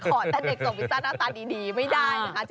แต่เด็กส่งพิซซ่าหน้าตาดีไม่ได้นะคะ